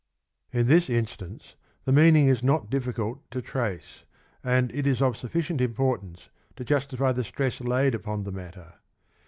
In this instance, the meaning is not difficult to trace, and it is of sufficient importance to justify the stress laid upon the matter.